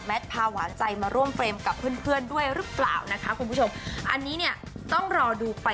มาร่วมเป็นกับเพื่อนเพื่อนด้วยรึเปล่านะคะคุณผู้ชมอันนี้เนี่ยต้องรอดูไป